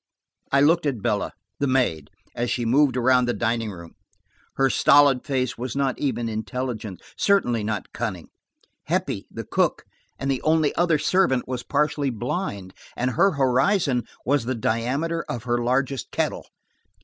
I looked at Bella–the maid–as she moved around the dining room; her stolid face was not even intelligent; certainly not cunning. Heppie, the cook and only other servant, was partly blind and her horizon was the diameter of her largest kettle.